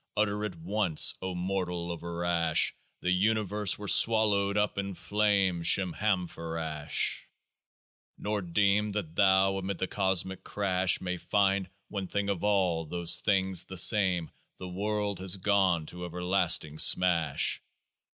Utter it once, O mortal over rash !— The Universe were swallowed up in flame — Shemhamphorash ! Nor deem that thou amid the cosmic crash May find one thing of all those things the same ! The world has gone to everlasting smash.